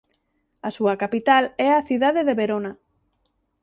A súa capital é a cidade de Verona.